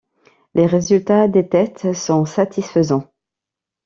Les résultats des tests sont satisfaisants.